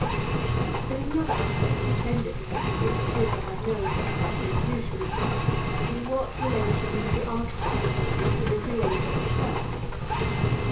There is another aspect of the same difficulty which appears to have no satisfactory solution. In what relation does the archetype stand to the Creator himself?